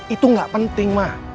itu nggak penting mak